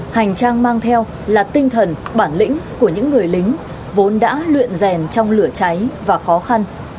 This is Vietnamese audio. hành trang mang theo là tinh thần bản lĩnh của những người lính vốn đã luyện rèn trong lửa cháy và khó khăn